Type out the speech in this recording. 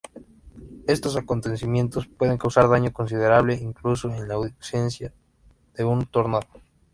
Estos acontecimientos pueden causar daño considerable, incluso en la ausencia de un tornado.